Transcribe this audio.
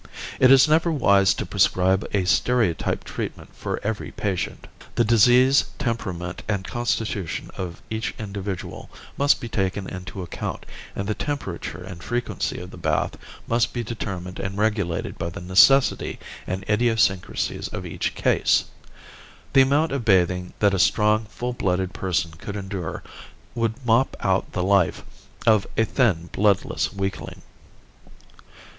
It is never wise to prescribe a stereotyped treatment for every patient. The disease, temperament and constitution of each individual must be taken into account and the temperature and frequency of the bath must be determined and regulated by the necessity and idiosyncrasies of each case. The amount of bathing that a strong, full blooded person could endure would mop out the life of a thin, bloodless weakling.